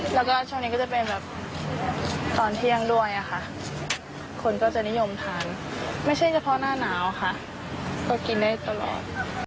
แล้วก็ช่วงนี้ก็จะเป็นแบบตอนเที่ยงด้วยค่ะคนก็จะนิยมทานไม่ใช่เฉพาะหน้าหนาวค่ะก็กินได้ตลอด